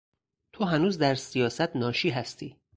تو هنوز در سیاست ناشی هستی.